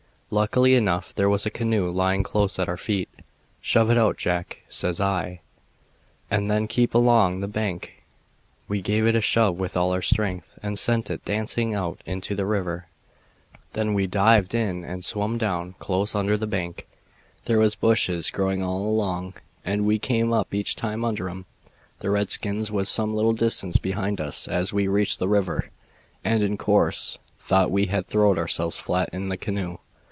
"Luckily enough there was a canoe lying close at our feet. 'Shove it out, Jack,' says I, 'and then keep along the bank.' We gave it a shove with all our strength and sent it dancing out into the river. Then we dived in and swum down close under the bank. There was bushes growing all along, and we came up each time under 'em. The redskins was some little distance behind us as we reached the river, and in course thought we had throwed ourselves flat in the canoe.